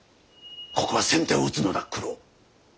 ここは先手を打つのだ九郎。